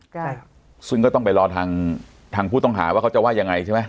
ใช่ซึ่งก็ต้องไปรอทางทางผู้ต้องหาว่าเขาจะว่ายังไงใช่ไหม